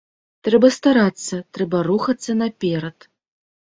Трэба старацца, трэба рухацца наперад.